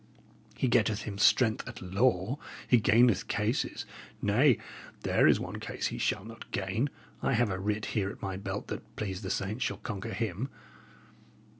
He getteth him strength at law; he gaineth cases; nay, there is one case he shall not gain I have a writ here at my belt that, please the saints, shall conquer him."